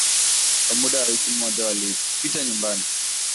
Kwa muda wa wiki moja walipita nyumba.